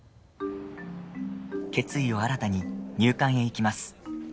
決意を新たに、入管へ行きます。